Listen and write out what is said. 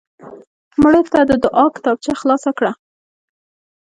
مړه ته د دعا کتابچه خلاص کړه